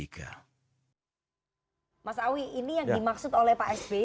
mas awi ini yang dimaksud oleh pak s b